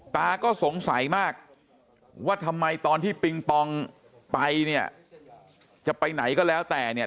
ตาก็สงสัยมากว่าทำไมตอนที่ปิงปองไปเนี่ยจะไปไหนก็แล้วแต่เนี่ย